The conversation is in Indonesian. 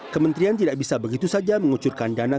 kementerian tidak bisa begitu saja mengucurkan dana